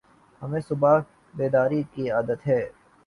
ہمیں صبح بیداری کی عادت ہے ۔